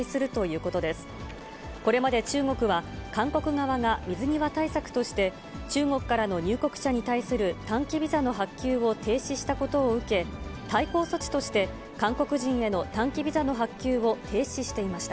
これまで中国は、韓国側が水際対策として、中国からの入国者に対する短期ビザの発給を停止したことを受け、対抗措置として韓国人への短期ビザの発給を停止していました。